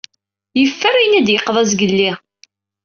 Yeffer ayen i d-yeqḍa zgelli.